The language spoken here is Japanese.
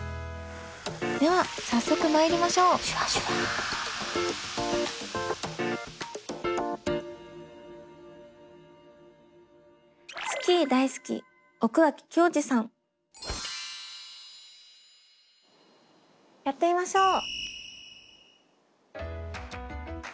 では早速まいりましょうやってみましょう。